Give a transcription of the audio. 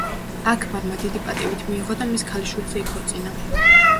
აქბარმა დიდი პატივით მიიღო და მის ქალიშვილზე იქორწინა.